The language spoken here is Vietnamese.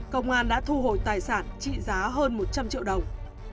công an đã thu hồi tài sản trị giá hơn một trăm linh triệu đồng